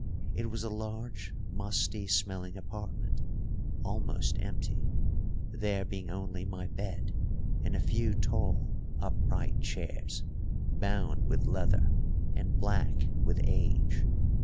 It was a large, musty smelling apartment, almost empty, there being only my bed and a few tall, upright chairs bound with leather and black with age.